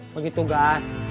begitu gak as